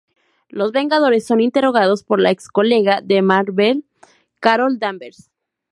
Los Vengadores son interrogados por la ex colega de Mar-Vell, Carol Danvers.